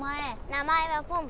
名前はポン。